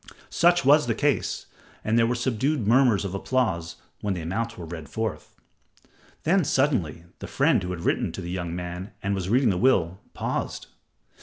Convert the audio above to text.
Such was the case, and there were subdued murmurs of applause when the amounts were read forth. Then suddenly the friend who had written to the young man and was reading the will, paused.